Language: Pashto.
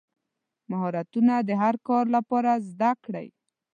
مهارتونه د هر کار لپاره زده کړئ.